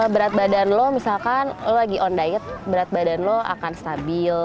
berat badan lo misalkan lo lagi on diet berat badan lo akan stabil